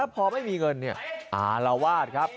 พอไม่มีเงินอารวาสครับ